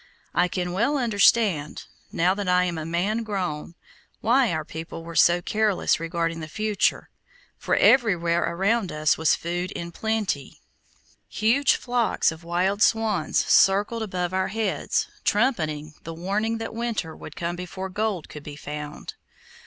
I can well understand, now that I am a man grown, why our people were so careless regarding the future, for everywhere around us was food in plenty. Huge flocks of wild swans circled above our heads, trumpeting the warning that winter would come before gold could be found.